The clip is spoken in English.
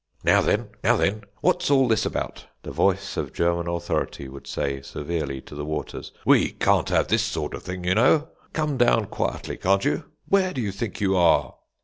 "Now then, now then, what's all this about?" the voice of German authority would say severely to the waters. "We can't have this sort of thing, you know. Come down quietly, can't you? Where do you think you are?"